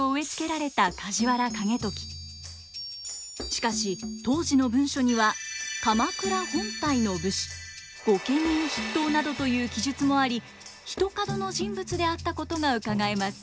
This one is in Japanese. しかし当時の文書には「鎌倉本体の武士」「御家人筆頭」などという記述もありひとかどの人物であったことがうかがえます。